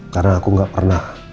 karena aku nggak pernah